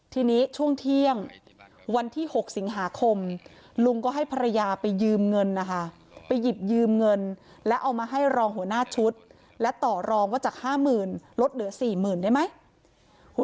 ทีนี้ช่วงเที่ยงวันที่๖สิงหาคมลุงก็ให้ภรรยาไปยืมเงินนะคะไปหยิบยืมเงินแล้วเอามาให้รองหัวหน้าชุดและต่อรองว่าจาก๕๐๐๐ลดเหลือ๔๐๐๐ได้ไหม